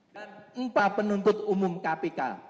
dan empah penuntut umum kpk